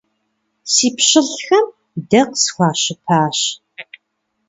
Си пщылӀхэм дэ къысхуащыпащ!